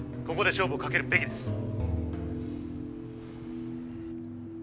ここで勝負をかけるべきです